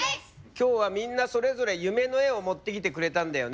今日はみんなそれぞれ夢の絵を持ってきてくれたんだよね。